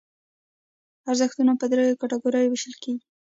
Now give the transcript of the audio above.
ارزښتونه په دریو کټګوریو ویشل کېږي.